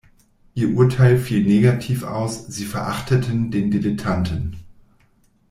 Ihr Urteil fiel negativ aus, sie verachteten den Dilettanten.